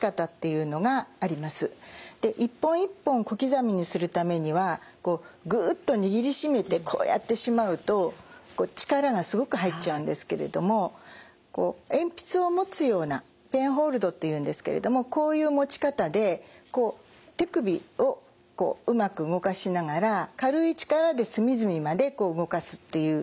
一本一本小刻みにするためにはグッと握りしめてこうやってしまうと力がすごく入っちゃうんですけれども鉛筆を持つようなペンホールドっていうんですけれどもこういう持ち方でこう手首をこううまく動かしながら軽い力で隅々まで動かすっていう。